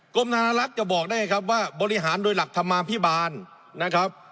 กรมธนลักษณ์จะบอกได้ครับว่าบริหารโดยหลักธรรมาภิบาลนะครับ